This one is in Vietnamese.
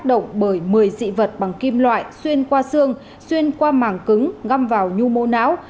động bởi một mươi dị vật bằng kim loại xuyên qua xương xuyên qua màng cứng ngâm vào nhu mô não